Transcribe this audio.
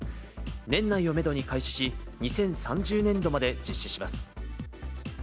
年内をメドに開始し、２０３０年度まで実施します。